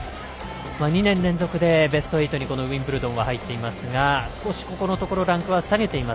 ２年連続でベスト８にウィンブルドンは入っていますが少し、ここのところランクは下げています。